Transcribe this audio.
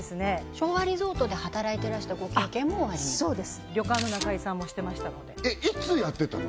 昭和リゾートで働いてらしたご経験もおありにそうです旅館の仲居さんもしてましたのでいつやってたの？